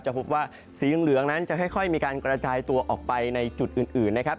พบว่าสีเหลืองนั้นจะค่อยมีการกระจายตัวออกไปในจุดอื่นนะครับ